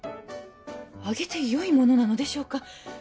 あげてよいものなのでしょうか